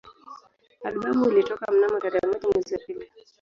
Albamu ilitoka mnamo tarehe moja mwezi wa pili